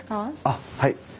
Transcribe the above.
あっはい。